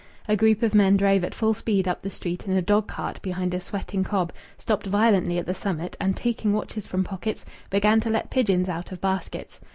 A group of men drove at full speed up the street in a dogcart behind a sweating cob, stopped violently at the summit, and, taking watches from pockets, began to let pigeons out of baskets.